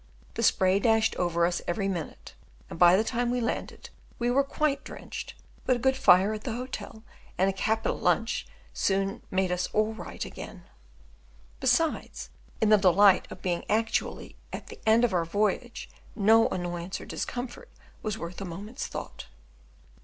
The spray dashed over us every minute, and by the time we landed we were quite drenched, but a good fire at the hotel and a capital lunch soon made us all right again; besides, in the delight of being actually at the end of our voyage no annoyance or discomfort was worth a moment's thought.